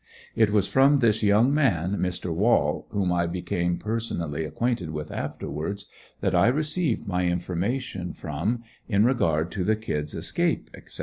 It was from this young man, Mr. Wall, whom I became personally acquainted with afterwards, that I received my information from, in regard to the "Kid's" escape, etc.